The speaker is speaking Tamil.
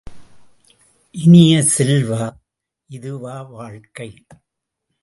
இனிய செல்வ, இதுவா வாழ்க்கை?